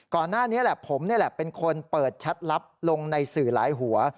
ก่อนหน้านี้ผมเป็นคนเปิดชัดลับลงในสื่อหลายหัว